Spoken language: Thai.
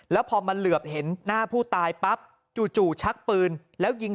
แล้วพอมันเหลือบเห็นหน้าผู้ตายปั๊บจู่ชักปืนแล้วยิง